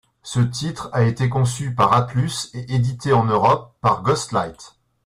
Ce titre a été conçu par Atlus et édité en Europe par Ghostlight.